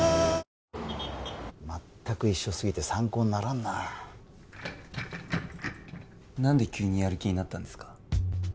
まったく一緒すぎて参考にならんな何で急にやる気になったんですか